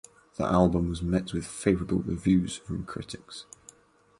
The album was met with favourable reviews from critics.